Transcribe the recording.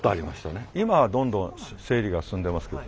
今はどんどん整理が進んでますけど。